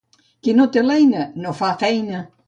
Qui no té l'eina, no fa feina.